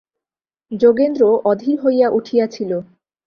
যোগেন্দ্র অধীর হইয়া উঠিয়াছিল।